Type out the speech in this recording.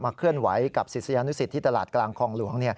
เคลื่อนไหวกับศิษยานุสิตที่ตลาดกลางคลองหลวง